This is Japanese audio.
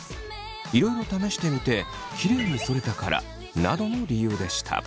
「いろいろ試してみてキレイにそれたから」などの理由でした。